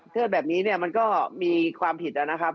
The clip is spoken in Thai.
เทอดแบบนี้มันก็มีความผิดนะครับ